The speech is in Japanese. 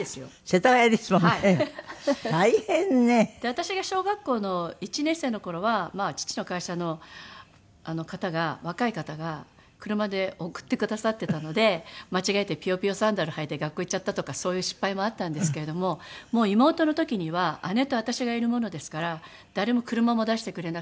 私が小学校の１年生の頃は父の会社の方が若い方が車で送ってくださってたので間違えてピヨピヨサンダル履いて学校行っちゃったとかそういう失敗もあったんですけれどももう妹の時には姉と私がいるものですから誰も車も出してくれなくて。